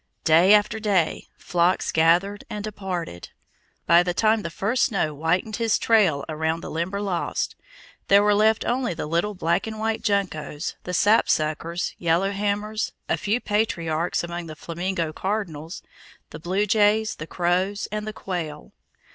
Day after day, flocks gathered and departed: by the time the first snow whitened his trail around the Limberlost, there were left only the little black and white juncos, the sapsuckers, yellow hammers, a few patriarchs among the flaming cardinals, the blue jays, the crows, and the quail.